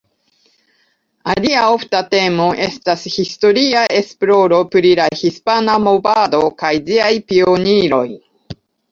Alia ofta temo estas historia esploro pri la hispana movado kaj ĝiaj pioniroj.